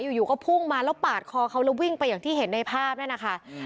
อยู่อยู่ก็พุ่งมาแล้วปาดคอเขาแล้ววิ่งไปอย่างที่เห็นในภาพนั่นนะคะ